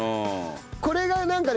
これがなんかね